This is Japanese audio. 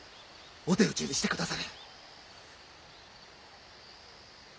お手討ちにしてくだされ！